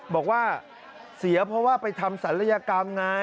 บอกว่าเสียเพราะว่าไปทำศัลยกรรมไง